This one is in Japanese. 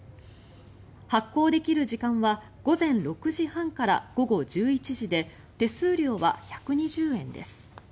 発行できる時間は午前６時半から午後１１時で手数料は１２０円です。